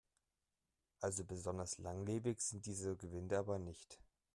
Also besonders langlebig sind diese Gewinde aber nicht.